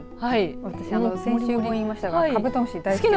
先週もいましたがカブトムシ大好き。